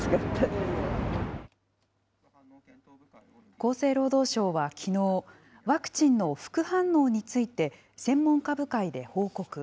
厚生労働省はきのう、ワクチンの副反応について、専門家部会で報告。